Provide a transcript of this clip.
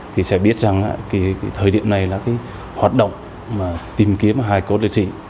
thì sẽ biết rằng thời điểm này là hoạt động tìm kiếm hải cốt lịch sĩ